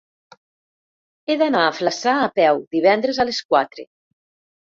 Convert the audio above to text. He d'anar a Flaçà a peu divendres a les quatre.